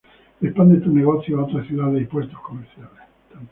Expande tus negocios a otras ciudades y puertos comerciales.